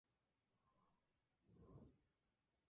Ocho submarinos clase "Balao" están abiertos al público.